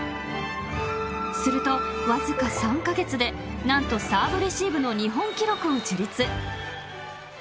［するとわずか３カ月で何とサーブレシーブの日本記録を樹立］